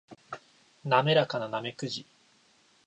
滑らかなナメクジ